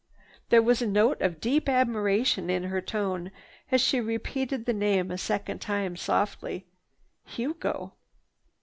There was a note of deep admiration in her tone as she repeated the name a second time softly: "Hugo."